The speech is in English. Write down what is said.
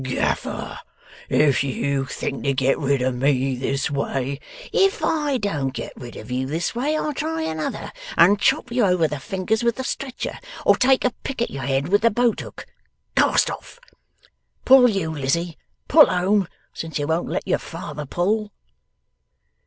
'Gaffer! If you think to get rid of me this way .' 'If I don't get rid of you this way, I'll try another, and chop you over the fingers with the stretcher, or take a pick at your head with the boat hook. Cast off! Pull you, Lizzie. Pull home, since you won't let your father pull.